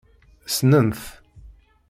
Ssnent.